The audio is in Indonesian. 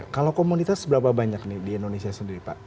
kalau komunitas berapa banyak nih di indonesia sendiri pak